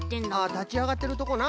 たちあがってるとこな。